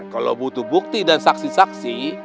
kalau butuh bukti dan saksi saksi